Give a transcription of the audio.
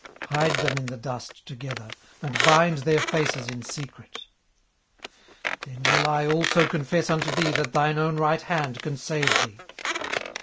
18:040:013 Hide them in the dust together; and bind their faces in secret. 18:040:014 Then will I also confess unto thee that thine own right hand can save thee.